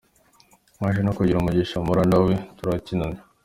Naje no kugira umugisha mpura nawe turanakinana.